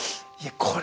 これ。